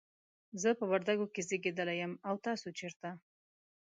زه په وردګو کې زیږیدلی یم، او تاسو چیرته؟